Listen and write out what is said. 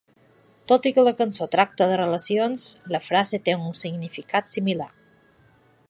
Tot i que la cançó tracta de relacions, la frase té un significat similar.